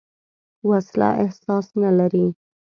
وسله احساس نه لري